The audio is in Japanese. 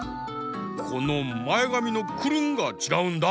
このまえがみのクルンがちがうんだ！